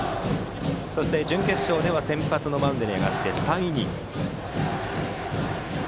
そして、準決勝では先発のマウンドに上がって３イニング。